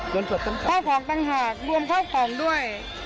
ข้าวของต่างหากรวมเข้าของด้วย